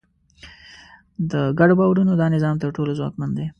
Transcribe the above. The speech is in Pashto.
د ګډو باورونو دا نظام تر ټولو ځواکمن دی.